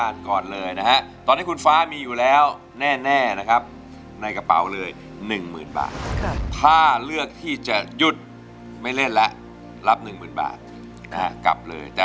เสร็จแฟนและจุดครับ